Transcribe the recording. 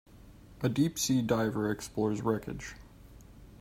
A deep sea diver explores wreckage.